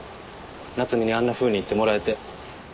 夏海にあんなふうに言ってもらえて。